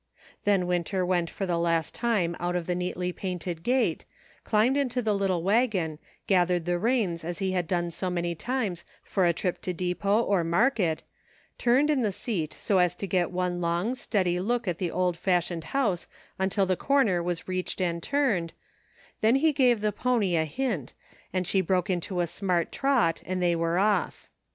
Then Winter went for the last time out of the neatly painted gate, climbed into the little wagon, gathered the reins as he had done so many times for a trip to depot or market, turned in the seat so as to get one long, steady look at the old fash ioned house until the corner was reached and turned, then he gave the pony a hint, and she broke into a smart trot and they were off.